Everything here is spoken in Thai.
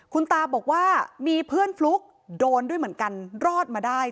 คุณตาบอกว่ามีเพื่อนฟลุ๊กโดนด้วยเหมือนกันรอดมาได้